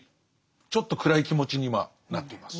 ちょっと暗い気持ちに今なっています。